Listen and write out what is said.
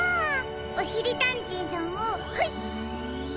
おしりたんていさんもはい。